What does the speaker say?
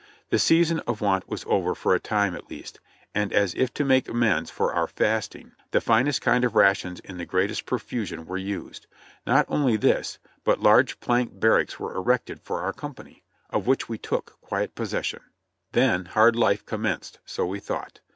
The season of want was over for a time at least, and as if to make amends for our fasting, the finest kind of rations in the greatest profusion were used ; not only this, but large plank barracks were erected for our company, of which we took quiet possession. Then hard life commenced, so we thought.